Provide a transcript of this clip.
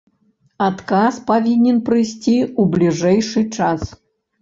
Адказ павінен прыйсці ў бліжэйшы час.